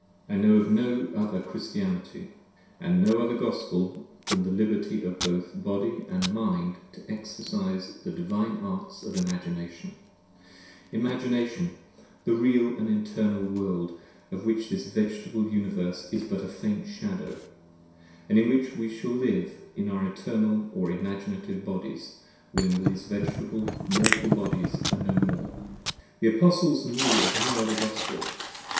' I know of no other Christianity and of no other Gospel than tthe liberty both of body & mind to exercise the Divine Arts of Imagination: Imagination, the real & eternal World of which this Vegetable Universe is but a faint shadow, & in which we shall live in our Eternal or Imaginative Bodies, 15 when these Vegetable Mortal Bodies are no more> The Apostles knew of no other Gospel.